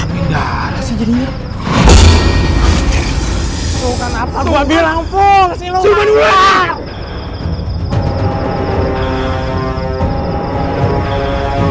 menjadi ke darah darah